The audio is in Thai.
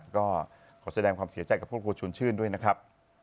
ก็ขอแสดงความเสียใจกับครอบครัวชวนชื่นด้วยนะครับ